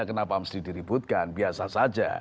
kenapa mesti diributkan biasa saja